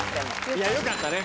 いやよかったね。